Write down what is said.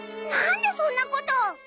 なんでそんなこと！